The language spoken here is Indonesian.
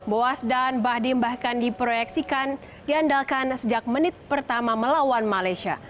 boas dan bahdim bahkan diproyeksikan diandalkan sejak menit pertama melawan malaysia